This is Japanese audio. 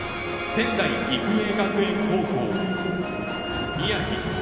仙台育英学園高校・宮城。